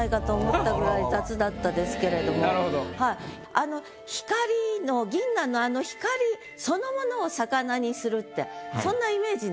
あの光の銀杏のあの光そのものを肴にするってそんなイメージなんですね？